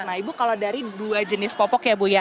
nah ibu kalau dari dua jenis popok ya bu ya